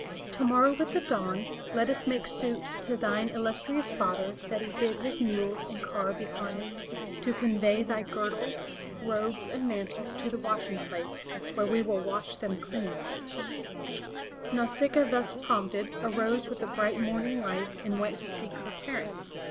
Tomorrow with 427 MY BOOKHOUSE the dawn> let us make suit to thine illustrious father that he bid his mules and car be harnessed to convey thy girdles, robes and mantles to the washing place, where we will wash them clean/' Nau sic'a a, thus prompted, arose with the bright morning light and went to seek her parents.